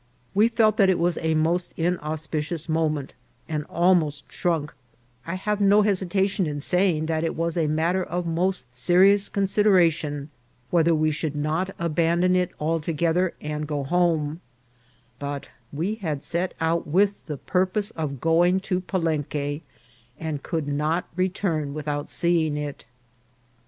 "We felt that it was a most inauspicious moment, and almost shrunk ; I have no hesitation in saying that it was a matter of most serious consideration whether we should not aban don it altogether and go home ; but we had set out with the purpose of going to Palenque, and could not return without seeing it.